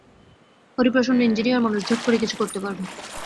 হরিপ্রসন্ন engineer মানুষ, ঝট করে কিছু করতে পারবে।